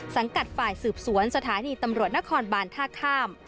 สังกัดฝ่ายสืบสวนสถานีตำรวจนครบานท่าข้าม